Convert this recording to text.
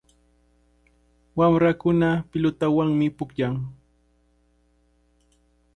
Wamrakuna pilutawanmi pukllan.